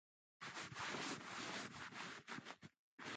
Chay wamlakaq nitkaqlulmi waqakun.